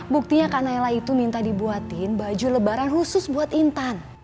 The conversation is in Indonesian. buktinya kanela itu minta dibuatin baju lebaran khusus buat intan